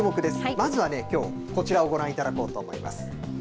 まずはきょうこちらをご覧いただこうと思います。